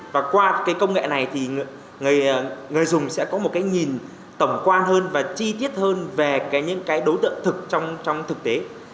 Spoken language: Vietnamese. và qua cái công nghệ này thì người dùng sẽ có một cái nhìn tổng quan hơn và chi tiết hơn về những cái đối tượng thực trong thực tế